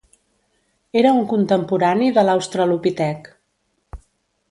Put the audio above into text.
Era un contemporani de l'australopitec.